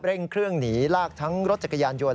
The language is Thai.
เร่งเครื่องหนีลากทั้งรถจักรยานยนต